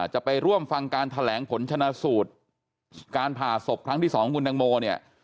จะไปร่วมฟังการแถลงผลชนะสูตรการผ่าศพครั้งที่๒ของคุณตังโมเนี่ย